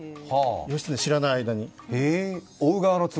義経が知らない間に。